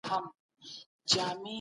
ډاکټر زیار وویل چي څېړنه ډولونه لري.